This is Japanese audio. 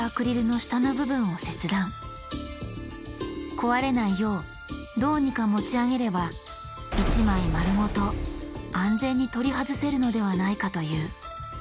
壊れないようどうにか持ち上げれば一枚丸ごと安全に取り外せるのではないかという。